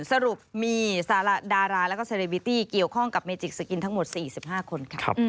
สรุปมีดาราแล้วก็เซเรบิตี้เกี่ยวข้องกับเมจิกสกินทั้งหมด๔๕คนค่ะ